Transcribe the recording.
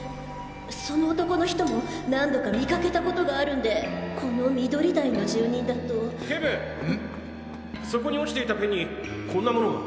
その男の人も何度か見かけたことがあるんでこの緑台の住人だと警部そこに落ちていたペンにこんなモノが！